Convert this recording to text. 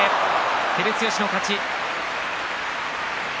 照強の勝ち。